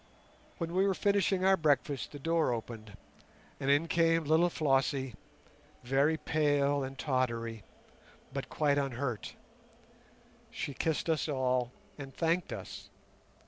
When we were finishing our breakfast the door opened, and in came little Flossie, very pale and tottery, but quite unhurt. She kissed us all and thanked us.